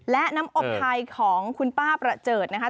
และน้ำอบไทยของคุณป้าประเจิดนะคะ